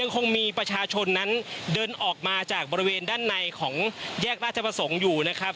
คงมีประชาชนนั้นเดินออกมาจากบริเวณด้านในของแยกราชประสงค์อยู่นะครับ